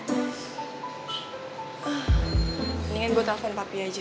mendingan gue telfon papi aja